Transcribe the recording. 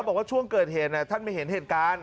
บอกว่าช่วงเกิดเหตุท่านไม่เห็นเหตุการณ์